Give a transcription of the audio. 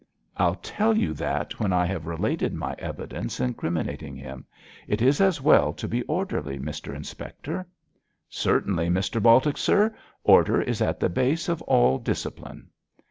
'I'll tell you that when I have related my evidence incriminating him. It is as well to be orderly, Mr Inspector.' 'Certainly, Mr Baltic, sir. Order is at the base of all discipline.'